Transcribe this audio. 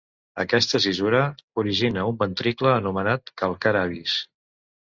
Aquesta cissura origina un ventricle anomenat calcar avis.